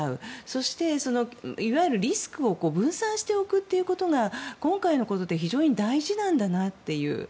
そして、いわゆるリスクを分散しておくということが今回のことで非常に大事なんだなっていう。